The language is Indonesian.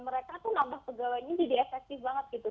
mereka tuh nambah pegawainya jadi efektif banget gitu